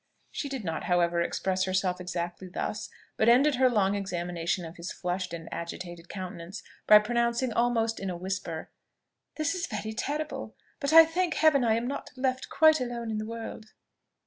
She did not, however, express herself exactly thus, but ended her long examination of his flushed and agitated countenance by pronouncing almost in a whisper, "This is very terrible! But I thank Heaven I am not left quite alone in the world!"